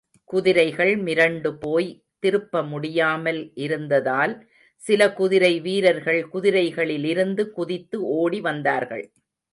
குதிரைகள் மிரண்டு போய், திருப்ப முடியாமல் இருந்ததால், சில குதிரை வீரர்கள் குதிரைகளிலிருந்து குதித்து ஓடி வந்தார்கள்.